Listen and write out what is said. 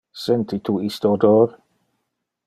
Senti tu iste odor?